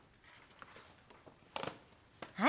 はい。